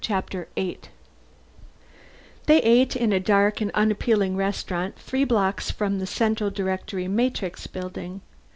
Chapter Eight They ate in a dark and unappealing restaurant three blocks from the Central Directory Matrix Building.